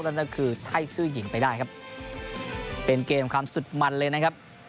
นั่นก็คือไทยซื่อหญิงไปได้ครับเป็นเกมความสุดมันเลยนะครับ